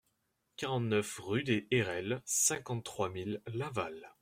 quarante-neuf rue des Ayrelles, cinquante-trois mille Laval